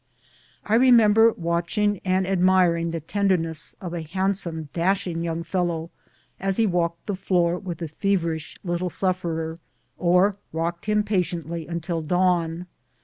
I remember watching and admir ing the tenderness of a handsome, dashing young fel low as he walked the floor with the feverish little suf ferer, or rocked him patiently until dawn.